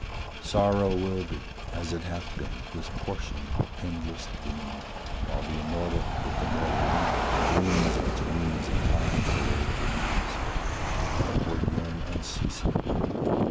Sorrow will be, As it hath been, his portion; endless doom, While the immortal with the mortal linked Dreams of its wings and pines for what it dreams, With upward yearn unceasing.